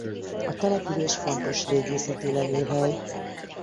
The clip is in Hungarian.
A település fontos régészeti lelőhely.